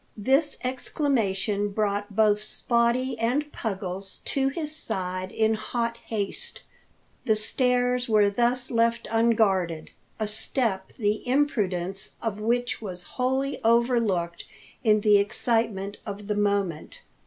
This exclamation brought both Spottie and Puggles to his side in hot haste. The stairs were thus left unguarded a step the imprudence of which was wholly overlooked in the excitement of the moment.